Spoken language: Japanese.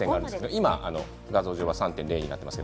今、画像上は３．０になっていますが。